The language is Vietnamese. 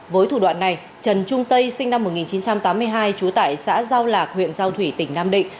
với thủ đoạn này trần trung tây sinh năm một nghìn chín trăm tám mươi hai trú tại xã giao lạc huyện giao thủy tỉnh nam định